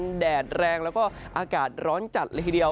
ตอนกลางวันแดดแรงแล้วก็อากาศร้อนจัดละทีเดียว